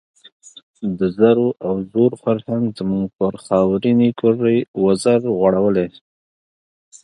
د زرو او زور فرهنګ زموږ پر خاورینې کُرې وزر غوړولی.